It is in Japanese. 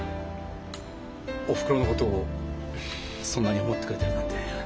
おふくろのことをそんなに思ってくれてるなんて。